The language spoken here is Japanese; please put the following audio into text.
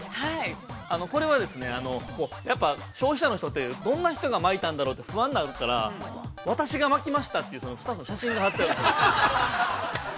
◆これはですね、やっぱ、消費者の人とって、どんな人が巻いたんだろうと、不安になるから、私が巻きましたという、写真が貼ってあるんですよ。